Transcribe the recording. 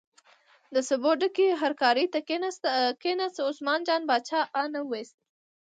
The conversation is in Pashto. د سبو ډکې هرکارې ته کیناست، عثمان جان باچا اه نه ویست.